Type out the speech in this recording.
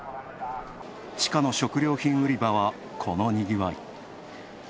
地下の食料品売り場は、このにぎわい。